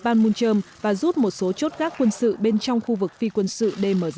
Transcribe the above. trung tâm và rút một số chốt gác quân sự bên trong khu vực phi quân sự dmz